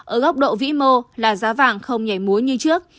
ở góc độ vĩ mô là giá vàng không nhảy múa như trước